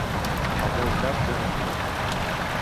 El meu cap ja no fila.